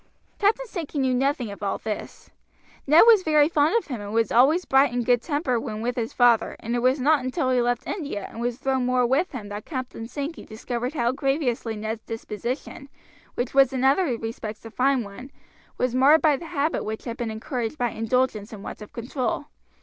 Captain Sankey knew nothing of all this. Ned was very fond of him, and was always bright and good tempered when with his father, and it was not until he left India and was thrown more with him that Captain Sankey discovered how grievously Ned's disposition, which was in other respects a fine one, was marred by the habit which had been encouraged by indulgence and want of control.